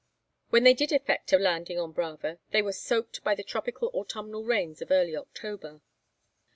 When they did effect a landing on Brava, they were soaked by the tropical autumnal rains of early October.